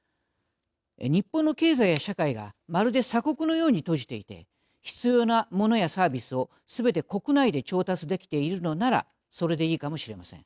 日本の経済や社会がまるで鎖国のように閉じていて必要なモノやサービスをすべて国内で調達できているのならそれでいいかもしれません。